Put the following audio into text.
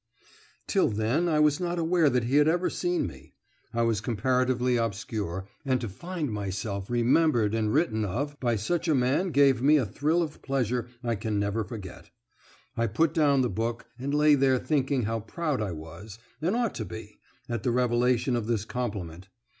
Till then I was not aware that he had ever seen me. I was comparatively obscure, and to find myself remembered and written of by such a man gave me a thrill of pleasure I can never forget. I put down the book, and lay there thinking how proud I was, and ought to be, at the revelation of this compliment.